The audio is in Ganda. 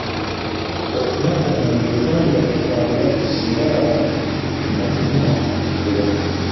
Okunywa omwenge tekwalibadde kwa bulabe singa abantu bagunywa mu kigero.